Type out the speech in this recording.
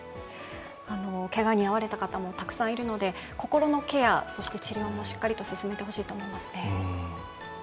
けがに遭われた方もたくさんいるので心のケア、そして治療もしっかりと進めてほしいですね。